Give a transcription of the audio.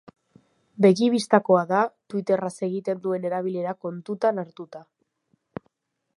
Begi bistakoa da, twitterraz egiten duen erabilera kontutan hartuta.